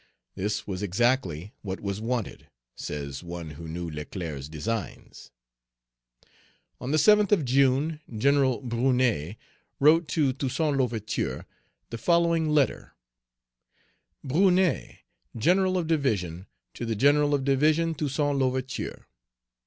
"This was exactly what was wanted," says one who knew Leclerc's designs. On the 7th of June, General Brunet wrote to Toussaint L'Ouverture the following letter: BRUNET, GENERAL OF DIVISION, TO THE GENERAL OF DIVISION, TOUSSAINT L'OUVERTURE.